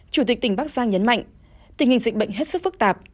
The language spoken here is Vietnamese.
chủ tịch tỉnh bắc giang nhấn mạnh tình hình dịch bệnh hết sức phức tạp